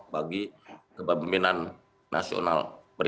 bagi kepemimpinan nasional